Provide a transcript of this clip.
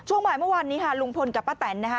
บ่ายเมื่อวานนี้ค่ะลุงพลกับป้าแตนนะคะ